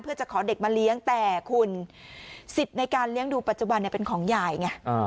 เพื่อจะขอเด็กมาเลี้ยงแต่คุณสิทธิ์ในการเลี้ยงดูปัจจุบันเป็นของยายไง